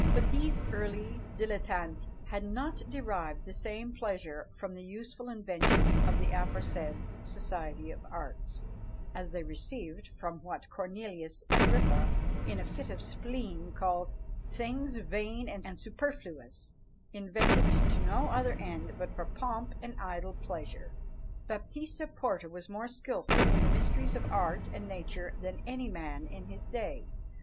But these early dilettanti had not derived the same pleasure from the useful inventions of the aforesaid "Society of Arts" as they received from what Cornelius Agrippa, in a fit of spleen, calls "things vain and superfluous, invented to no other end but for pomp and idle pleasure." Baptista Porta was more skilful in the mysteries of art and nature than any man in his day.